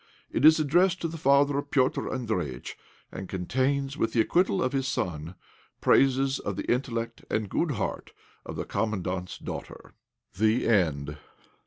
It is addressed to the father of Petr' Andréjïtch, and contains, with the acquittal of his son, praises of the intellect and good heart of the Commandant's daughter. THE END.